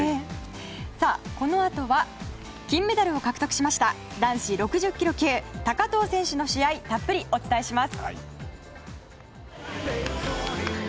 このあとは金メダルを獲得しました男子６０ｋｇ級高藤選手の試合をたっぷりお伝えします。